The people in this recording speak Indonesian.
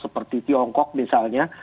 seperti tiongkok misalnya